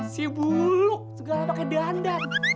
si buluk segala pake dandan